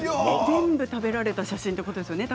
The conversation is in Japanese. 全部食べられた写真ということですよね